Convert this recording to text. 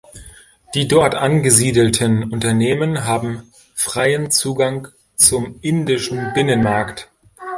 Die dort angesiedelten Unternehmen haben freien Zugang zum indischen Binnenmarkt.